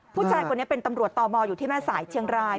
ผู้ชายคนนี้เป็นตำรวจตมอยู่ที่แม่สายเชียงราย